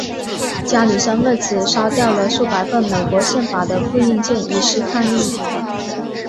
加里森为此烧掉了数百份美国宪法的复印件以示抗议。